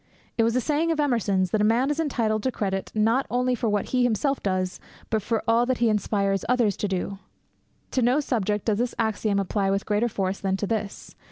It was a saying of Emerson's that a man is entitled to credit, not only for what he himself does, but for all that he inspires others to do. To no subject does this axiom apply with greater force than to this.